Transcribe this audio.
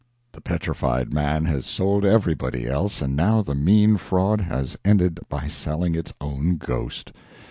The Petrified Man has sold everybody else, and now the mean fraud has ended by selling its own ghost!